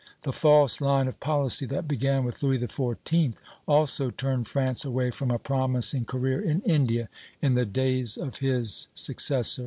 The false line of policy that began with Louis XIV. also turned France away from a promising career in India, in the days of his successor.